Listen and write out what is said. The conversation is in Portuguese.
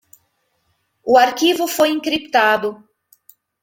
O arquivo foi encriptado